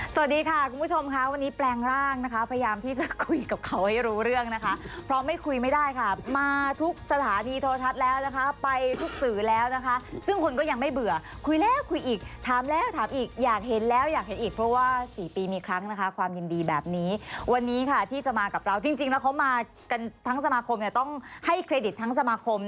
สวัสดีค่ะคุณผู้ชมค่ะวันนี้แปลงร่างนะคะพยายามที่จะคุยกับเขาให้รู้เรื่องนะคะเพราะไม่คุยไม่ได้ค่ะมาทุกสถานีโทรทัศน์แล้วนะคะไปทุกสื่อแล้วนะคะซึ่งคนก็ยังไม่เบื่อคุยแล้วคุยอีกถามแล้วถามอีกอยากเห็นแล้วอยากเห็นอีกเพราะว่าสี่ปีมีครั้งนะคะความยินดีแบบนี้วันนี้ค่ะที่จะมากับเราจริงแล้วเขามากันทั้งสมาคมเนี่ยต้องให้เครดิตทั้งสมาคม